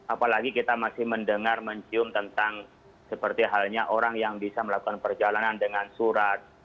apalagi kita masih mendengar mencium tentang seperti halnya orang yang bisa melakukan perjalanan dengan surat